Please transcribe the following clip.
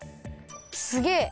すげえ！